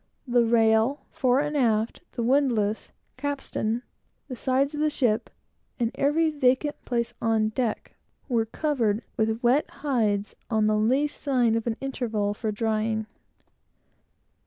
The rail, fore and aft, the windlass, capstan, the sides of the ship, and every vacant place on deck, were covered with wet hides, on the least sign of an interval for drying.